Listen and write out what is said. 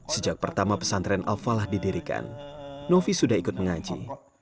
sejak pertama pesantren al falah didirikan novi sudah ikut mengaji